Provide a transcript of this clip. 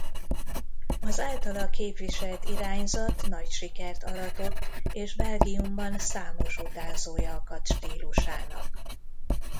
Az általa képviselt irányzat nagy sikert aratott és Belgiumban számos utánzója akadt stílusának.